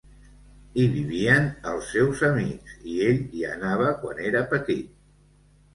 Hi vivien els seus amics i ell hi anava quan era petit.